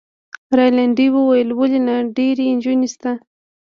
رینالډي وویل: ولي نه، ډیرې نجونې شته.